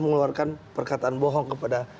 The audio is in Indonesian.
mengeluarkan perkataan bohong kepada